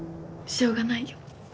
しょうがないよ。